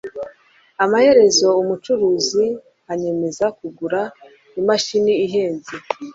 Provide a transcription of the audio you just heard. amaherezo umucuruzi anyemeza kugura imashini ihenze